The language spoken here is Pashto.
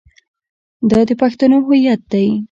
دا د پښتنو هویت دی.